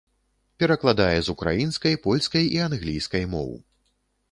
Перакладае з украінскай, польскай і англійскай моў.